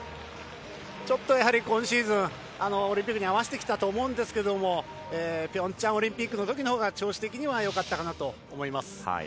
ちょっと今シーズンオリンピックに合わせてきたと思うんですけど平昌オリンピックの時のほうが調子的には良かったと思います。